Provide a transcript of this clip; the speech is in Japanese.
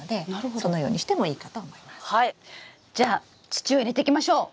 じゃあ土を入れていきましょう。